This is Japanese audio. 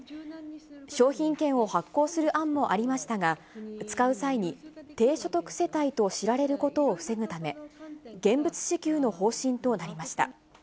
商品券を発行する案もありましたが、使う際に低所得世帯と知られることを防ぐため、現物支給の方針となりました。